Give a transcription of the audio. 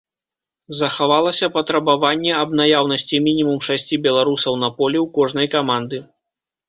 Захавалася патрабаванне аб наяўнасці мінімум шасці беларусаў на полі ў кожнай каманды.